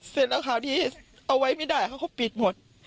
เสร็จราคาที่เอาไว้ไม่ได้เขาก็ปีดหมด